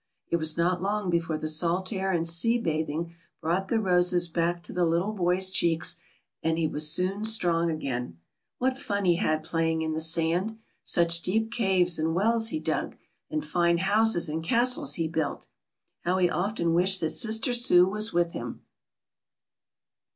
It was not long before the salt air and sea bathing brought the roses back to the little boy's cheeks, and he was soon strong again. What fun he had playing in the sand! Such deep caves and wells he dug, and fine houses and castles he built! How he often wished that sister Sue was with him!